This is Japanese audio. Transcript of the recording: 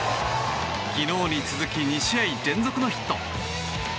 昨日に続き２試合連続のヒット。